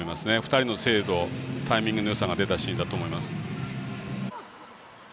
２人の精度、タイミングのよさが出たシーンだと思います。